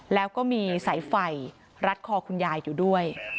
แล้วก็มีสายไฟรัดคอคุณยายอยู่ด้วย